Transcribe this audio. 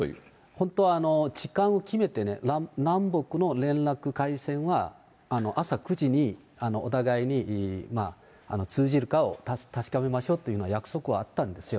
本当は、時間を決めてね、南北の連絡回線は朝９時にお互いに通じるかを確かめましょうというような約束はあったんですよ。